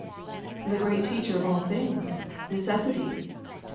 '^The great teacher of all things, necessity.